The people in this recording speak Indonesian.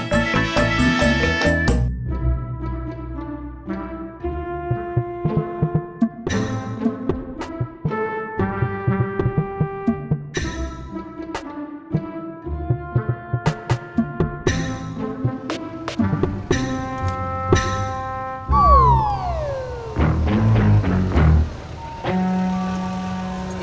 gak ada masalah